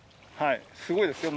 すごいですよ